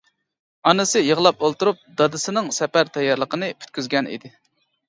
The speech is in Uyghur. ئانىسى يىغلاپ ئولتۇرۇپ دادىسىنىڭ سەپەر تەييارلىقىنى پۈتكۈزگەن ئىدى.